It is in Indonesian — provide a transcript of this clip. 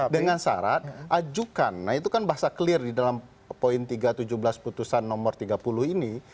dengan syarat ajukan nah itu kan bahasa clear di dalam poin tiga ratus tujuh belas putusan nomor tiga puluh ini